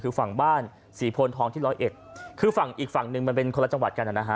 คือฝั่งบ้านศรีโพนทองที่ร้อยเอ็ดคือฝั่งอีกฝั่งหนึ่งมันเป็นคนละจังหวัดกันนะฮะ